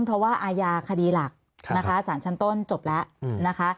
เพราะว่าอาญาคดีหลักนะคะสารชั้นต้นจบแล้วนะคะ